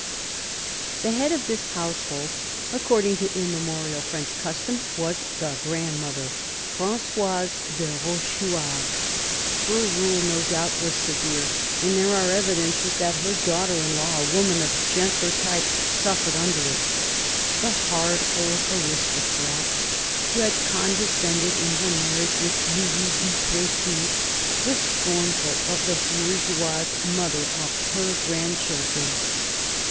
The head of this household, according to immemorial French custom, was the grandmother, Frangoise de Roche chouart. Her rule, no doubt, was severe, and there are evidences that her daughter in law, a woman of gentler type, suffered under it. The hard old aristocrat who had condescended in her marriage with Louis du Plessis was scornful of the bourgeoise mother of her grandchildren.